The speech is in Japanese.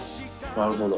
なるほど。